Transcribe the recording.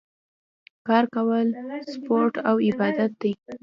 کار کول سپورټ او عبادت دی